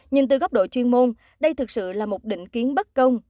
nhưng từ góc độ chuyên môn đây thực sự là một định kiến bất công